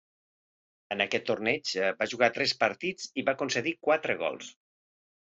En aquest torneig, va jugar tres partits i va concedir quatre gols.